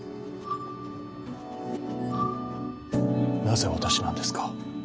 なぜ私なんですか？